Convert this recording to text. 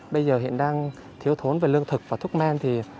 bây giờ hiện đang thiếu thốn về lương thực và thuốc men